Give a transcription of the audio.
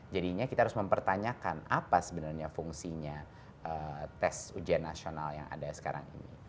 jadinya kita harus mempertanyakan apa sebenarnya fungsinya tes ujian nasional yang ada sekarang ini